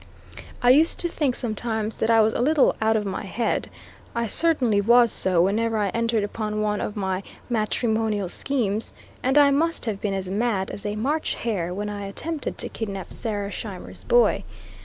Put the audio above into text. I used to think sometimes that I was a little "out of my head;" I certainly was so whenever I entered upon one of my matrimonial schemes, and I must have been as mad as a March hare when I attempted to kidnap Sarah Scheimer's boy.